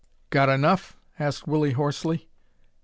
"Got enough?" asked Willie, hoarsely.